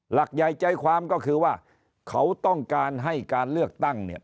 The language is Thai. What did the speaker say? หลักใหญ่ใจความก็คือว่าเขาต้องการให้การเลือกตั้งเนี่ย